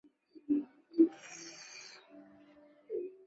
接下来的压缩步骤如下。